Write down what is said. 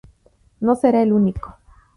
No será el único.